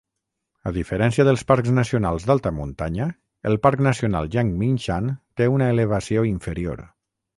A diferència dels parcs nacionals d'alta muntanya, el Parc Nacional Yangmingshan té una elevació inferior.